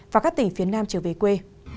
và các tỉnh phía nam trở về quê